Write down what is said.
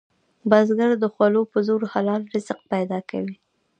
بزګر د خولو په زور حلال رزق پیدا کوي